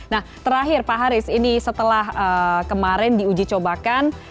nah terakhir pak haris ini setelah kemarin diuji cobakan